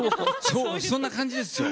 そんな感じですよ。